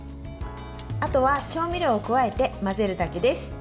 あとは調味料を加えて混ぜるだけです。